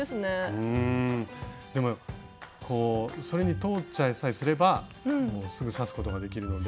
うんでもそれに通っちゃいさえすればすぐ刺すことができるので。